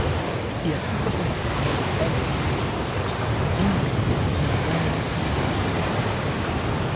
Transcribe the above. Y así fue como comió en Italia, rezó en India y amó en Indonesia.